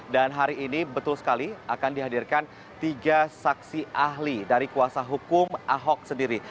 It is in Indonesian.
dan hari ini betul sekali akan dihadirkan tiga saksi ahli dari kuasa hukum ahok sendiri